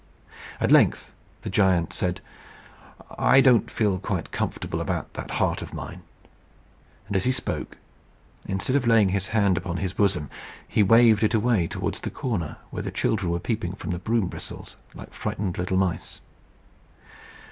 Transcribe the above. At length the giant said, "I don't feel quite comfortable about that heart of mine." And as he spoke, instead of laying his hand on his bosom, he waved it away towards the corner where the children were peeping from the broom bristles, like frightened little mice.